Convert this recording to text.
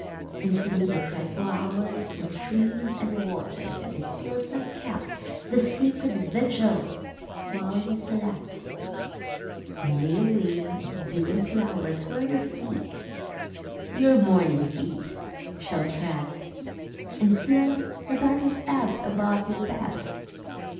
And through the dreadful hours The trees and waters and the hills have kept The sacred vigil while you slept, And lay a way of dew and flowers Where your feet, your morning feet, shall tread. And still the darkness ebbs about your bed.